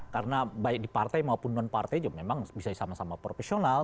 karena baik di partai maupun non partai juga memang bisa sama sama profesional